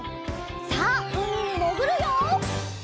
さあうみにもぐるよ！